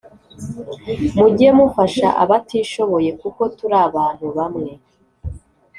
Mujye mufasha abatishobobe kuko turi abantu bamwe